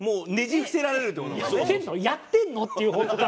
やってんの？っていう。